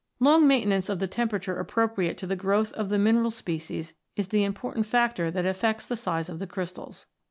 Long maintenance of the temperature appropriate to the growth of the mineral species is the important factor that affects the size of crystals.